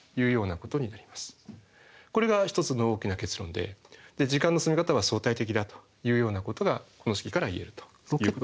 これが１つの大きな結論で時間の進み方は相対的だというようなことがこの式から言えるということになります。